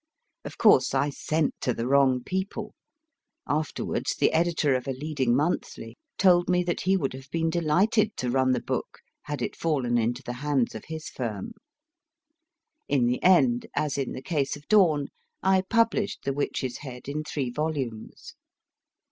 Of course I sent to the wrong people ; afterwards the editor of a leading monthly told me that he would have been delighted to run the book had it fallen into the hands of his firm. In the end, as in the case of Dawn, I published * The Witch s Head in three volumes.